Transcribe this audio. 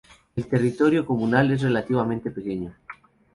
El territorio comunal es relativamente pequeño.